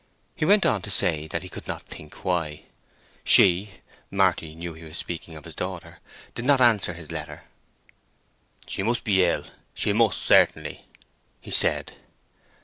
He went on to say that he could not think why "she (Marty knew he was speaking of his daughter) did not answer his letter. She must be ill—she must, certainly," he said.